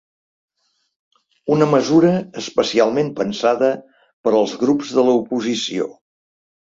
Una mesura especialment pensada per als grups de l’oposició.